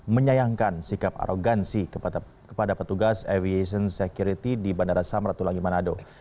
menyayangkan sikap arogansi kepada petugas aviation security di bandara samratulangi manado